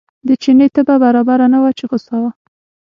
د چیني طبع برابره نه وه په غوسه و.